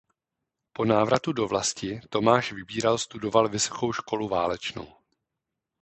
Po návratu do vlasti Tomáš Vybíral studoval Vysokou školu válečnou.